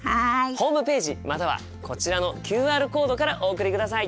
ホームページまたはこちらのＱＲコードからお送りください。